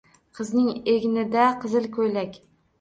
Qizning egnida qizil ko`ylak